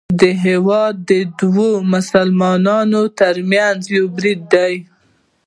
دا هیواد د دوو مسلمانانو ترمنځ یو برید دی